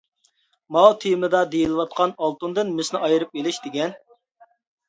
ماۋۇ تېمىدا دېيىلىۋاتقان ئالتۇندىن مىسنى ئايرىپ ئېلىش دېگەن.